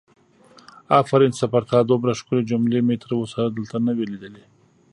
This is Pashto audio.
آفرین سه پر تا دومره ښکلې جملې مې تر اوسه دلته نه وي لیدلې!